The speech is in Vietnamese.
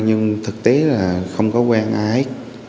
nhưng thực tế là không có quen ai